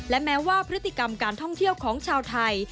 และแม้ว่าพฤติกรรมการท่องเที่ยวของชาวไทย